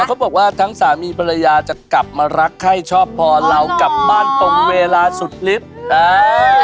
มันก็บอกว่าทั้งสามีปรยาจะกลับมารักให้ชอบพ่อเรากลับบ้านตรงเวลาสุดฤทธิ์